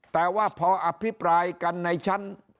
แต่ว่าพออภิปรายกันในชั้น